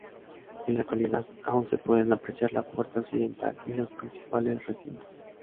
En la actualidad, aún se pueden apreciar la puerta occidental y los principales recintos.